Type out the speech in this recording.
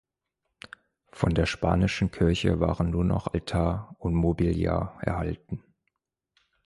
Von der spanischen Kirche waren nur noch Altar und Mobiliar erhalten.